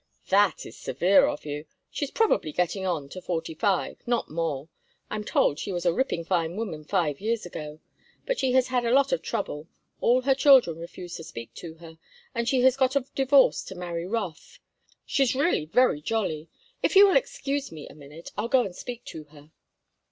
"That is severe of you. She's probably getting on to forty five—not more. I'm told she was a ripping fine woman five years ago, but she has had a lot of trouble—all her children refuse to speak to her, and she got a divorce to marry Rothe. She's really very jolly. If you will excuse me a minute I'll go and speak to her."